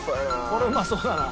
これうまそうだな。